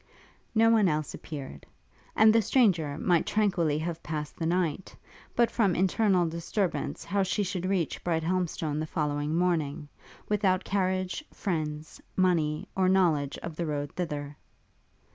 No one else appeared; and the stranger might tranquilly have passed the night, but from internal disturbance how she should reach Brighthelmstone the following morning, without carriage, friends, money, or knowledge of the road thither.